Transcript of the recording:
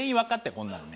こんなのね。